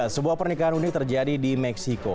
sebuah pernikahan unik terjadi di meksiko